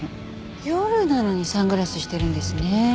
夜なのにサングラスしてるんですね。